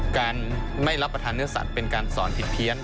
การไม่รับประทานเนื้อสัตว์เป็นการสอนผิดเพี้ยน